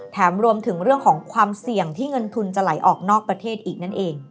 รวมถึงเรื่องของความเสี่ยงที่เงินทุนจะไหลออกนอกประเทศอีกนั่นเอง